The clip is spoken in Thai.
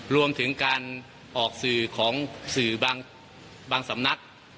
รวมถึงการออกสื่อของสื่อบางสำนัก